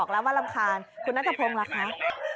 เขาเขาซากไป